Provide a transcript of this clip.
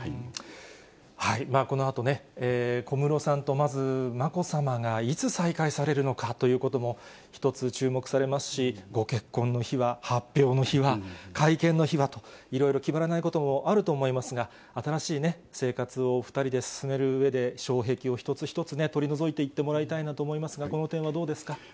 このあと、小室さんとまずまこさまがいつ再会されるのかということも、１つ注目されますし、ご結婚の日は、発表の日は、会見の日はと、いろいろ決まらないこともあると思いますが、新しい生活をお２人で進めるうえで、障壁を一つ一つ、取り除いていってもらいたいなと思いますが、この点はどうですか。